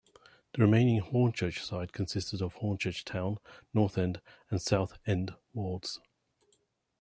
The remaining 'Hornchurch side' consisted of Hornchurch Town, North End, and South End wards.